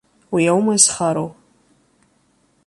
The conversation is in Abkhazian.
Уи аума изхароу?